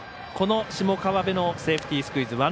この下川邊のセーフティースクイズ。